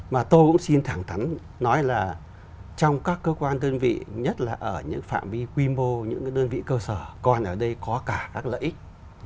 mà tôi cũng xin thẳng thắn nói là trong các cơ quan đơn vị nhất là ở những phạm vi quy mô những cái đơn vị cơ sở còn ở đây có cả các lợi ích